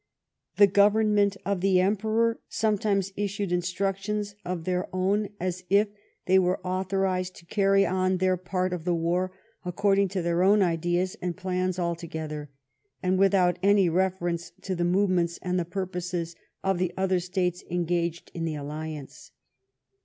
The government of the Emperor sometimes issued instructions of their own, as if they were authorized to carry on their part of the war according to their own ideas and plans alto gether, and without any reference to the movements and the purposes of the other states engaged in the alliance.